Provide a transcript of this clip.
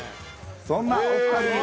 そんなお２人に。